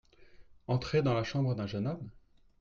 Entrer dans la chambre d’un jeune homme !